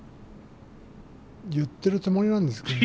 言ってるつもりなんですけどね。